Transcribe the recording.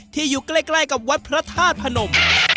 อยู่ใกล้กับวัดพระธาตุพนม